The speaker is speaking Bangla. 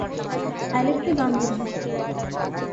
অ্যালেক কে বান্ধবী?